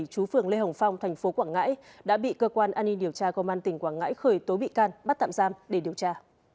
chú phường lê hồng phong thành phố quảng ngãi đã bị cơ quan an ninh điều tra công an tỉnh quảng ngãi khởi tố bị can bắt tạm giam để điều tra